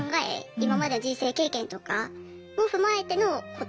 今までの人生経験とかを踏まえての答えじゃないですか。